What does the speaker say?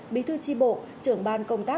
bí thư tri bộ trưởng ban công tác